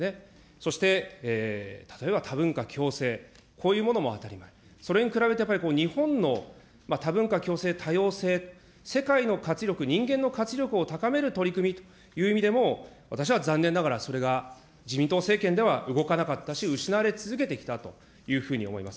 そして、例えば多文化共生、こういうものも当たり前、それに比べてやっぱり日本の多文化共生、多様性、世界の活力、人間の活力を高める取り組みという意味でも、私は残念ながら、それが自民党政権では動かなかったし、失われ続けてきたというふうに思います。